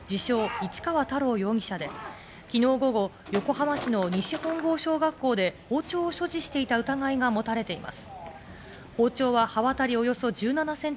市川容疑者は昨日午後、横浜市栄区の西本郷小学校で包丁を所持していた疑いがもたれています。